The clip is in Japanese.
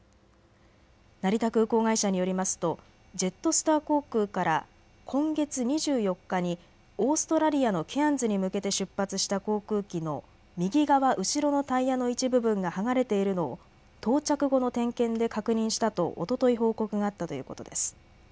成田空港会社によりますとジェットスター航空から今月２４日にオーストラリアのケアンズに向けて出発した航空機の右側後ろのタイヤの１部分が剥がれているのを到着後の点検で確認したとおととい報告があったということです。